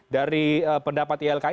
dari pendapat ilki